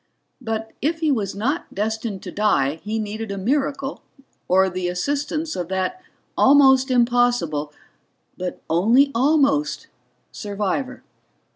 But if he was not destined to die he needed a miracle or the assistance of that almost impossible but only almost survivor.